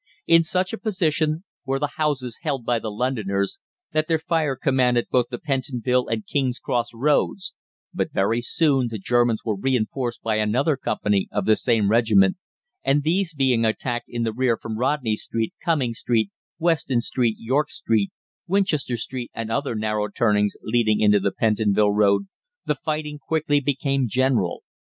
In such a position were the houses held by the Londoners, that their fire commanded both the Pentonville and King's Cross Roads; but very soon the Germans were reinforced by another company of the same regiment, and these being attacked in the rear from Rodney Street, Cumming Street, Weston Street, York Street, Winchester Street, and other narrow turnings leading into the Pentonville Road, the fighting quickly became general.